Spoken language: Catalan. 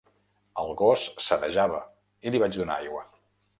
El gos sedejava i li vaig donar aigua.